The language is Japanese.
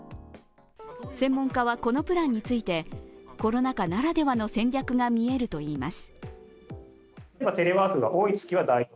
専門家はこのプランについてコロナ禍ならではの戦略が見えるといいます。